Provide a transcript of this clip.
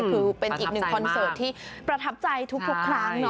คือเป็นอีกหนึ่งคอนเสิร์ตที่ประทับใจทุกครั้ง